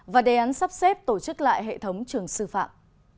và đề án sắp xếp tổ chức lại hệ thống trường sư phạm